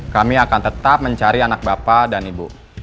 kami akan tetap mencari anak bapak dan ibu